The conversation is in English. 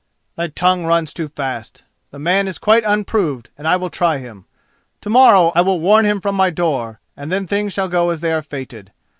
"Thy tongue runs too fast. The man is quite unproved and I will try him. To morrow I will warn him from my door; then things shall go as they are fated.